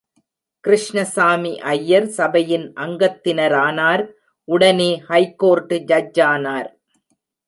கிருஷ்ணசாமி ஐயர் சபையின் அங்கத்தினரானார் உடனே ஹைகோர்ட்டு ஜட்ஜானார்.